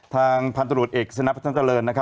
ทางพันตรวจเอกสนับพระท่านเตอร์เริน